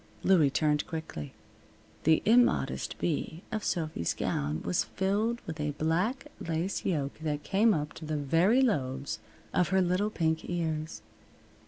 Louie turned quickly. The immodest V of Sophy's gown was filled with a black lace yoke that came up to the very lobes of her little pink ears.